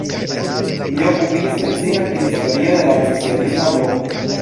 Li okupiĝis precipe pri historio de la socialisma bloko.